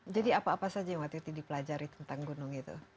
jadi apa apa saja yang waktu itu dipelajari tentang gunung itu